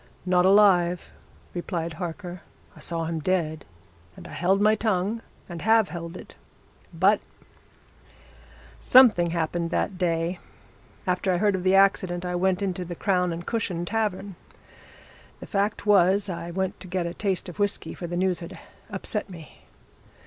"Not alive!" replied Harker. "I saw him dead and I held my tongue, and have held it. But something happened that day. After I heard of the accident, I went into the Crown and Cushion tavern the fact was, I went to get a taste of whisky, for the news had upset me.